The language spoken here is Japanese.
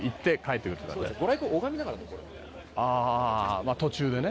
ああ途中でね。